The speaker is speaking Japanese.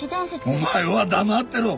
お前は黙ってろ！